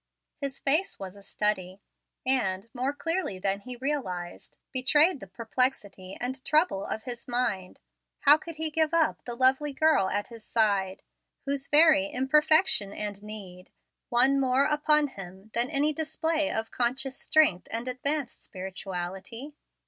His face was a study, and, more clearly than he realized, betrayed the perplexity and trouble of his mind. How could he give up the lovely girl at his side, whose very imperfection and need won more upon him than any display of conscious strength and advanced spirituality?